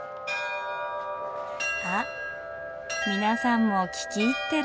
あっ皆さんも聞き入ってる。